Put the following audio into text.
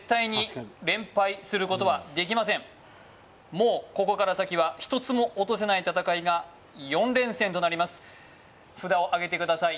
もうここから先は一つも落とせない戦いが４連戦となります札をあげてください